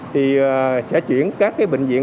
thì sẽ chuyển các bệnh viện